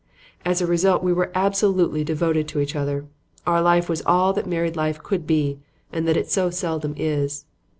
As a result, we were absolutely devoted to each other. Our life was all that married life could be and that it so seldom is.